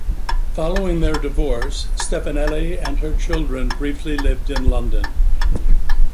Following their divorce, Stefanelli and her children briefly lived in London.